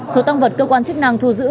số tăng vật cơ quan chức năng thu giữ